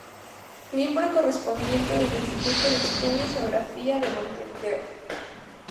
Miembro correspondiente del Instituto de Historia y Geografía de Montevideo.